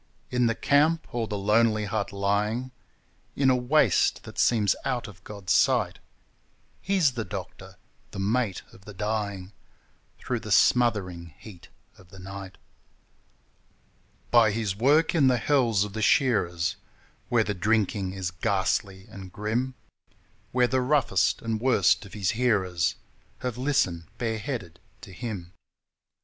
In the camp or the lonely hut lying In a waste that seems out of God's sight, He's the doctor the mate of the dying Through the smothering heat of the night. By his work in the hells of the shearers, Where the drinking is ghastly and grim, Where the roughest and worst of his hearers Have listened bareheaded to him.